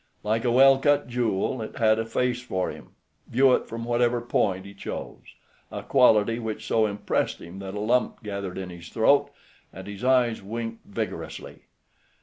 Like a well cut jewel, it had a face for him, view it from whatever point he chose, a quality which so impressed him that a lump gathered in his throat, and his eyes winked vigorously.